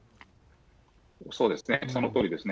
そうですね、そのとおりですね。